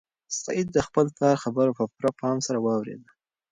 سعید د خپل پلار خبره په پوره پام سره واورېده.